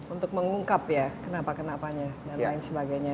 untuk mengungkap ya kenapa kenapanya dan lain sebagainya